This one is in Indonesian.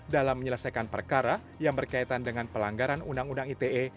dalam menyelesaikan perkara yang berkaitan dengan pelanggaran undang undang ite